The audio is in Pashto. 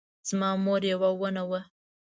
زما مور یوه ونه وه